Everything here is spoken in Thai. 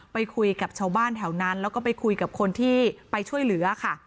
ไปคุยกับชาวบ้านแถวนั้นแล้วก็ไปคุยกับคนที่ไปช่วยเหลือค่ะ